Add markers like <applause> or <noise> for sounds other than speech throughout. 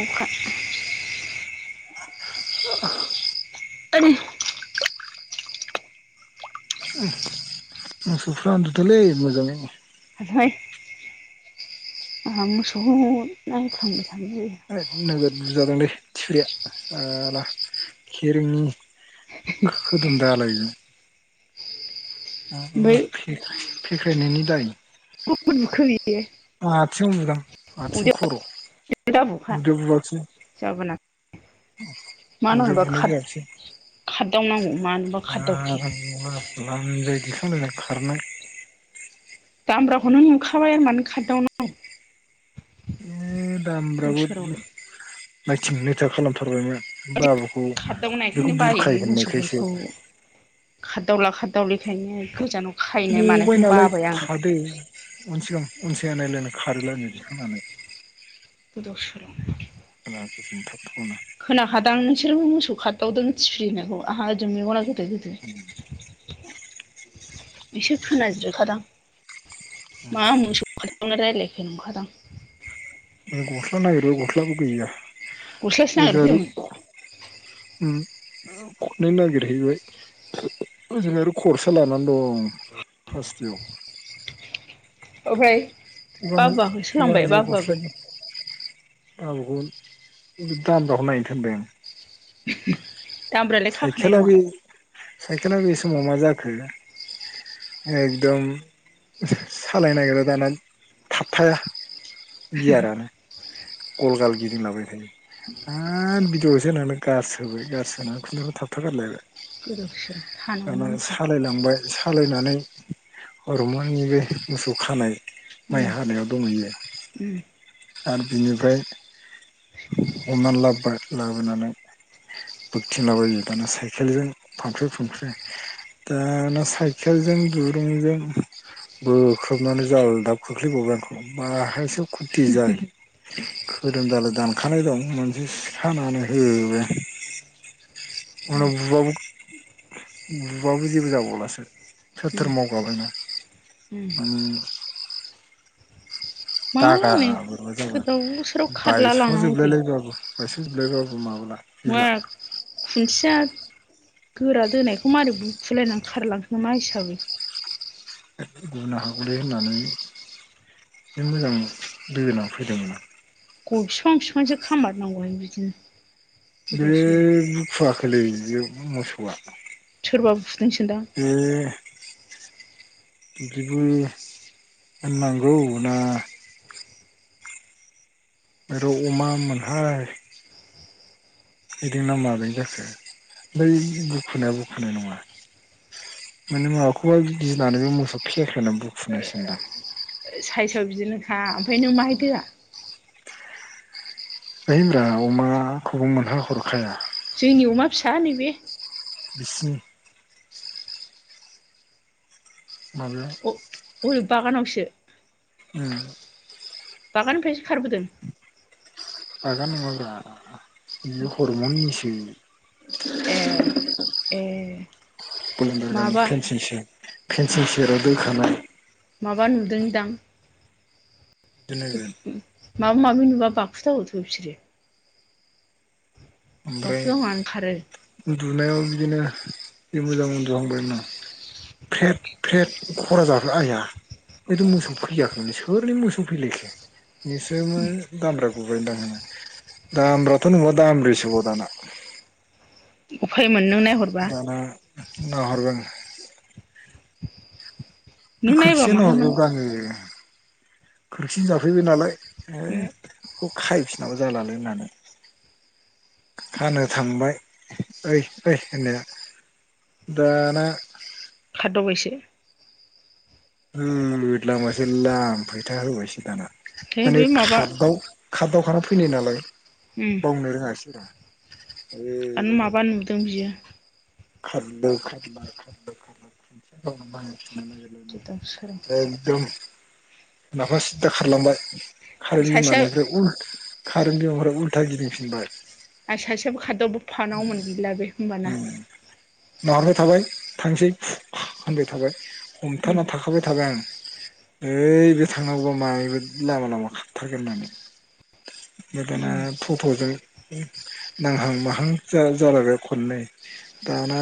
अखा। <inaudible> <inaudible> मोसौफ्रा उन्दुदोंलै मोजांङै। ओमफ्राय आंहा मोसौखौ नायखांबाय। थानाय नोगोद बुजादोंलै थिफुलिया खेरेंनि। खोदोम दालायजों। जायो फेख्रायनायनि दाय। ओमफ्राय बुखो बियो आथिंआव बुदां आथिं खर। बिदि दा बुखा उदैयाव बुवाखिसै जाबा नाथां। मा उदैयाव नांनायनिबा बुनाय खारदिंला बायो। लानजाय दिखांलायना खारनाय। दामब्राखौनो नुखाबाय आरो मानो खारदावनाव। दामब्राबो नायथिं नायथा खालामथारबायमोन। बाबुखौ बेखौ खारदावनायखायनो बायोहाय बुरखायो होननायखायसो। मोसौफोरखौ खारदावला खारदावलिखायनो गोजानाव खाहैनाय गबाय मानायखौनो नालाय बाबाय आं थादो उन सिगां उनथिं नायलायनानै खारो लानजाय दिखांनानै गोदाव सोरावनो <unintelligible> खोनाखादां नोंसोरखौ मोसौ खारदावदों थिफ्रि होननायखौ आंहा ओजों मेगना गोदो गोदो एसे खोनाज्रिद खादां मा मोसौ खारदावनाय रायलायखो नंखादां। गस्ला नागिरबाय गस्लाबो गैया। गस्लासो नागिरनो ओजों आरो फैदोंमोन खननै नागिरहैबाय ओजों आरो खरसा लानानै दं। फासटायाव ओमफ्राय बाबुआबो <unintelligible> सोलांबाय बाबुआबो बाबुखौ दामब्राखौ नायनो थिनबाय आं । दामब्रायालाय खाखानाय नङा? साइकेेलआ बे समाव मा जाखो एकदम सालायनो नागिरा दाना थाबथाया गियारानो गजाल गिदिंलाबायनाय आरो बिदि बिदि होननानै गारसोबाय गारसोनानै खुनुरुखुम थाबथा गारलायबाय। गोदाव सोराव थानांगौ दाना मोनखा सालायलांबाय सालायनानै <unintelligible> मोसौ खानाय माइ उम हानायाव दंहैयो उम आरो बिनिफ्राय हमनानै लाबोबाय लाबोनानै बोखथिंला बायो दाना साइकेलजों फानफ्रे फुमफ्रे। दा साइकेलजों दुरुंजों बोख्रबनानै जालदाब खोख्लैबाव बाय आंखौ बाहायसो <unintelligible> जाय खोदोमदालाय दान खानाय दं मोनसे सिखानानै होबाय आं। उनाव बुबाबो बुबाबो जेबो जाबावलासो। थोर थोर उम मगाबायना उम <unintelligible> मा दागा हनै जाबाय गोदाव सोराव खारला बायस लांनांगौ दे जोबलायलायबाबो बायस जोबलायबाबो <unintelligible> मा खुन्थिया गोरा दोनायखौ मारै बुखुलायनानै खारलां मा हिसाबै गुनो हागौलै होननानै बे मोजां दोनां फैदोंमोन आं। ग' फिफां फिफांसो खामारनांगौहाय बिदिनो। बे गोदाव सोराव बुखुआखोलै बियो मोसौआ सोरबा बुदोंसोदां एह बिदिबो होननांगौ ना आरो अमा मोनहाय इदिं ना मारै जाखो बै बुखुनाय बुखुनाय नङा। माने माबाखौहाय गिनानैबो मोसौ खेख्लेना बुखुनायसोन्दां। ओ बिदिनोखा ओमफाय नों माहाय दोआ? होयब्रा अमाखौबो मोनहा हरखाया। जोंनि अमा फिसा नैबे बिस्नि माबेयाव बरै बागानावसो। <unintelligible> बागान निफायसो खारबोदों। जागा नङाब्रा बियो हरम' निसो। ए ए पन्दार गामनि माबा फेनसिस फेनसिं सेराव दोखानाय। माबा नुदोंदां। दोननांगोन माबा माबि नुबा बाखुथावोथ' बिसोरो। <unintelligible> ओंखारो। उदुनायाव बिदिनो जि मोजां उन्दुहांबायमोन। फेद फेद खरा जाहो आइया। बेथ' मोसौ फैयाखैमोनलै सोरनि मोसौ फैलायखो। निसोमो दामब्रा गुबायन दां दामब्राथ' नुबा दामब्रिसो। <unintelligible> दाना। उफाय मोन नों नायहरबा। नाहरगोन। नों नायबा खोरखिजा माहायमोन नाहरबायब्रा आङो खोरखिजों जाफैबाय नालाय। ए उम बेखौ खायफिनाबा जालालै होननानै। खानो थांबाय ओय ओय होननाया। दाना खाददावबायसो। <unintelligible> फैथा होबायसो दाना। है बे माने माबा खाददाव खाददावखाना फैनाय नालाय उम बावनो रोङासै रा। आनो माबा नुदों बियो। दावराव सोरां <unintelligible> <unintelligible> एगदम। नाफा सिददा खारलांबाय खारै आरो सासेया बिमानिफ्राय उलथ खारेन बिमानिफ्राय उल्था गिदिंफिनबाय। फानाव मोनगैला बे होमबाना। माबबाय थाबाय थांसै होनबाय थाबाय उम हमथना थाखाबाय थाबाय आं। ओय बे थांनांगौबा मायबा लामा लामा खाथ्थारगोन होन्नानै। आमफाय दाना उम फट'जों नांहां माहां जा जालायबाय खन्नै दाना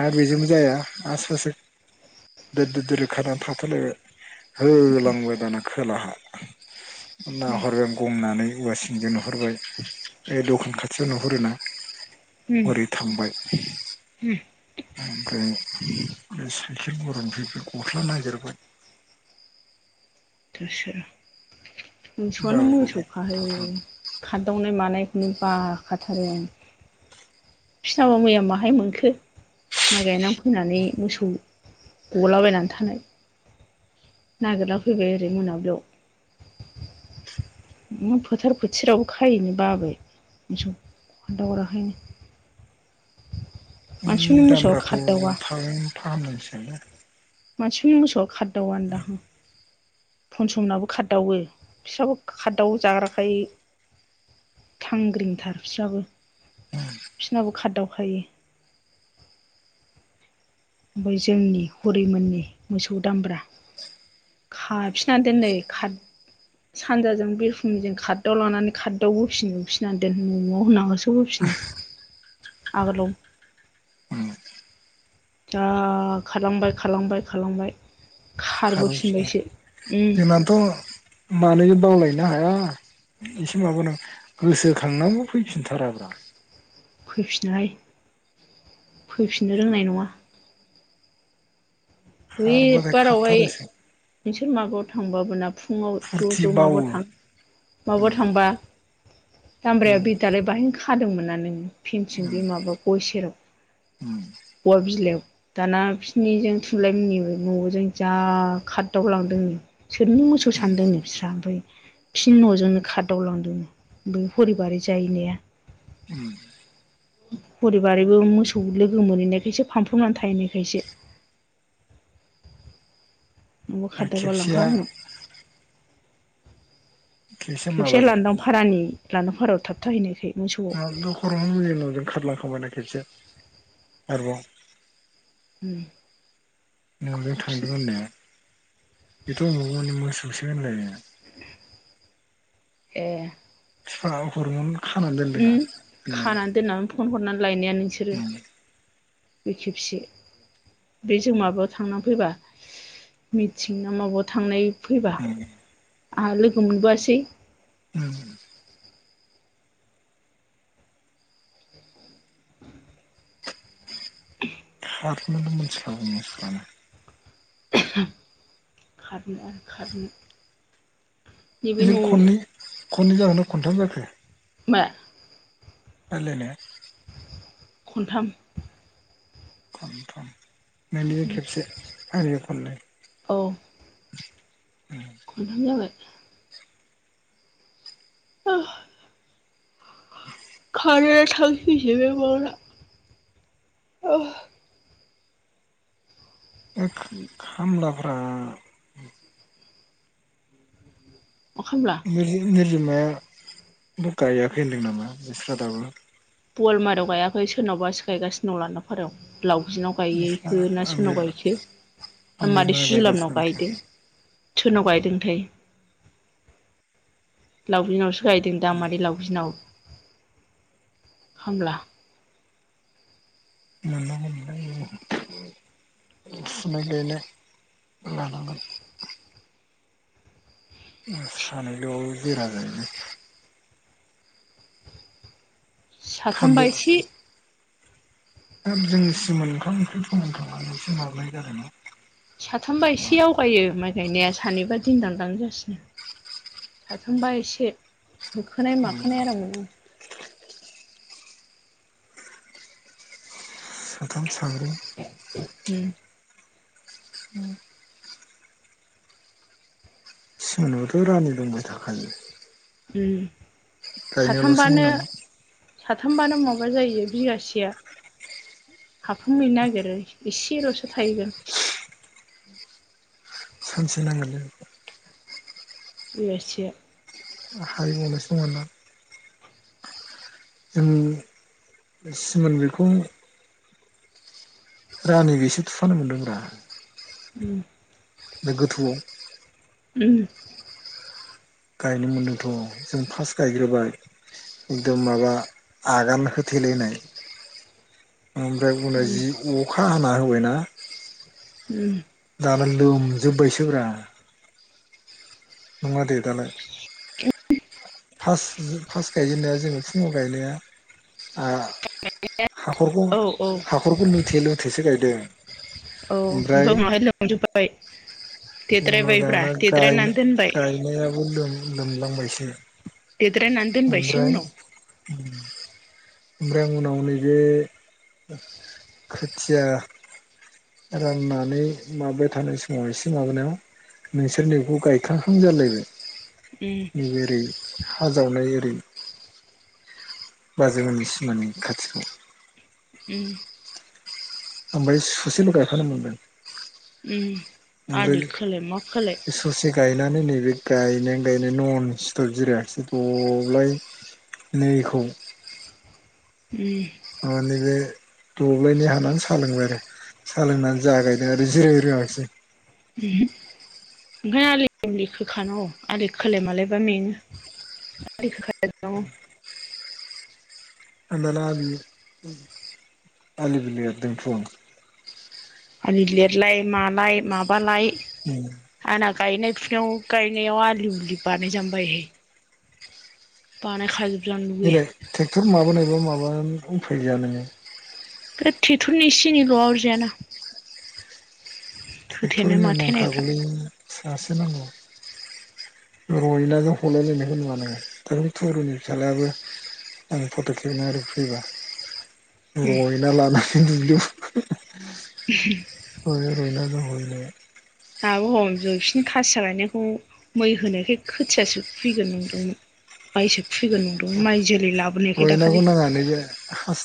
आरो बेजोंबो जाया आर सासे दो-दो-दोर खारनानै थाबथा लायबाय होलांबाय दाना खोलाहा। नाहरबाय आं गंनानै औवासिनिजों नुहरबाय बे दखान खाथियाव नुहु हुरोना हरै थांबाय। होम। ओमफ्राय बे साइखेर गरंनिफ्राय बे गस्ला नागिरबाय <inaudible> <unintelligible> मोसौआनो मोसौ बारग'बाय खाहै थाथां बे खारदावनाय मानायखौनो बाखा थारो आं बिसनाबा मैया बाहाय मोनखो माइ गायना फैनानै मोसौ गलाबायनानै थानाय नागिरला फैबाय बेै मोनाबिलियाव। न' फोथार फोथारावबो खायैनि बाबाय। सो खोनथाहराखैनो। दामब्राखौ खारदावा थाब फाहामनांसिलै। मानसिफोरनि मोसौआ खारदाव आनो दां। फनसनाबो खारदावो फिसाबो खारदावो जाग्राखाय थांग्रिंथार बिस्राबो। बिसनाबो खारदावखायो। ओमफ्राय जोंनि हरिमोननि मोसौ दामब्रा। खाफिननानै दोननाइ खार सानजाजों बि रखुमनि जों खारदाव लानानै खारदाव होफिन फिनानै दोन न'आव होननानैसो होफिन आगोलाव। उम जा खालांबाय खालांबाय खालांबाय खारस जोंनाथ' मानै बावलायनो हाया? एसे माबानांग गोसोखांनौ फैफिनथाराब्रा फैफिनोहाय फैफिननो रोंनाय नङा। खारबाथाय बैबारावहाय खारथारोसो नोंसोर मागआव थांबाबो ना फुङाव ज' फुरथि ज' माब बावो माबा उम थांबा दामब्राया उम बिदालाय बाहाय खादोंमोना नोङो फेनथिं उम बे माबा गय सेराव उम अवा बिलाइयाव दाना बिसिनिजों थुनलाइ मनि न'जों जा खारदावलांदोंनो। सोरनिनो मोसौ उम सानदोंनो बिस्रा ओमफ्राय फिन न'जोंनो खारदावलांदोंनो बे हरि बारि जायनाया। उम हरि बारिबो मोसौ लोगो मोनहैनायखायसो फानफ्रबनानै थाहैनायखायसो। <inaudible> नोंबो आरो खारदाबा खेबसेया लांखागोन। खेबसे लान्दां फारानि लान्दां फारायाव थाबथाहैनायखै। दखराव मुलि नजों खारलाां खायना खिबसे आरोबाव उम न'जों थांदों होननाया बेथ' अबाव माने मोसौसै होनलाय। ए। सा हरमन खानानै दोनदों आं उम होननाया खानानै दोननानै फन हरनानै लायनाया नोंसोरो। उम बे खेबसे। बे जों माबायाव थांना फैबा मिथिं माबायाव थांनाय फैबा उम आंहा लोगो मोनबोआसै। उम हाथ म सा खारनो आरो खारनो नैबे बेजों न' खननै खननै जाहोनाव खनथाम जाखो? मा? रायलायनाया? खनथाम खमथाम माने खेबसे आरो खननै औ खनथाम जाबाय। अह खारा थावैसै बे बावा। अह बे खामलाब्रा। मा खालामला निरजि -निरजिमाया बो गायाखै होनदों नामा बिस्रा दाबो? पवालमारियाव गायाखै सोरनावबा सिखायगासिनो दं लानदां फारायाव। लावगिनाव बिस्रा गायैखो ना सोरनाव ओमफ्राय गायखो मादै ओमफ्राय गायगासिनो सुजिलामनाव आरोखि गायदों सोरनाव गायदों -थाय लावगिनावसो गायदों दां मादै लावगिनाव। खामला मोन मोनलल <unintelligible> लानांगोन। सानैल' जिरा जायोबाय। साथाम बा एसे हाब जोंनि सिमोन ओंखाम -ओंख्रि खमायखांनानैसो हाबनाय जादों ना। साथामबा एसे आवगायो माइ गायनाया सानैबा दिन दांदां जासिनो। जोमबा एसे होखोनाय माखोनाय आराम मोनो आ साथाम साब्रै हम दे। उम। सिनावथ' रानि दंबाय थाखायो। उम गायनायावल'सो साथामबानो मोननांगौ साथामबानो माबा जायो बिगासेया। हाबहां हैनो नागिरो एसेल'सो थाहैगोन। सानसे नांगोन लोगो। बेगा सेआ हारि मल सङना जों सिमोन बेखौ रानिबोसे थुफानो मोनदोंब्रा। उम। बे गोथौआव। उम। गायनो मोन्दोंथ' जों फार्स्ट गायग्रोबाय एकदम माबा आगान होथे लायनाय ओमफ्राय उनाव उम जि अखा हाना होबायना उम। दालाय लोमजोब्बायसोब्रा। नङा दे दालाय फारसट- फारसट गायजेननाया जोङो फुङाव गायनाया। हा-हाखरखौ औ औ हाखरखौ लुथे -लुथेसो गायदों। औ ओमफ्राय उनावहाय लोंजोब्बाय। उनाव देद्रायबायब्रा दाना देद्रायनानै गाय- दोनबाय गायनायाबो लोमलां बायसो। देद्रायनानै दोनबायसो ओमफ्राय उनाव ओमफ्राय आं उनाव नैबे खोथिया राननानै माबाबाय थानाय समाव एसे माबानायाव नोंसोरनिखौ गायखांखां जालायबाय। उम न ओरै हाजावनाय ओरै बाजैमोननि सिमानि खाथिखौ उम थांबाय स ससेल' गायफानो मोनदों उम ओमफ्राय आलि खोलाय मा खोलाय बे ससे गायनानै नैबे गायनाय-गायनाय नन स्टप जिरायाखासै दब्लाय नैखौ उम माने बे दब्लायनि हानानै सालोंबाय आरो। सालोंनानै जागायनो आरो जिराय रोङसै। <unintelligible> ओंखायनो आलिमलि खोखाहो आलि खोलाय मालायबा मेङो। <unintelligible> आ दाना आलि आलिबो लरदों थ' आं। आलि लिरलाय मालाय माबालाय ओम। आंना गायनाय फुनायाव गायनायाव आलिु उलि बानायजानो बायोहाय। बानाय खाजोब बेलाय ट्रेक्टर माबानाय बा माबानानै उफाय गैया नोङो। बे थेगथ'रननि एसे एनैल'आ अरजायाना। ट्रेक्टर एवनो माथेनायफ्रा नांखागौलै ससे नांगौ। रयनाजों हलायलायनायखौ नुवा नोङो दा थुरुनि फिसाज्लायाबो आं फट' खेबना ओरै फैबा। उम रयना लानानै दुब्लियाव <inaudible> हयो रयनाजों हयो। दाबो हम जबसिनि खासिया गायनायखौ मै होनायखाय खोथियासो फैगोन नंदोंमोन। माइसो खैगोन नंदोंमोन माइ जोलै लाबोनायखाय रयनाखौ दाखालि। नाङा नैबे हास